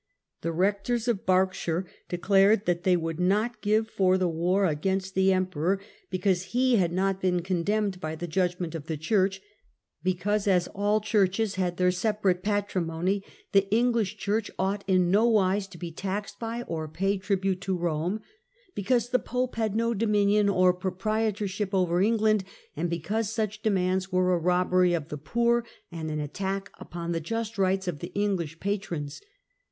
The rectors of Berkshire declared that they would not give for the war against the emperor, because he ROBERT GROSSETESTE. 67 had not been condemned by the judgment of the church; because as all churches had their separate patrimony the English church ought in no wise to be taxed by or pay tribute to Rome; because the pope had no dominion or proprietorship over England, and because such de mands were a robbery of the poor and an attack upon the just rights of the English patrons.